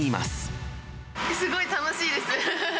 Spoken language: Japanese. すごい楽しいです。